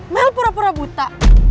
mel pura pura buta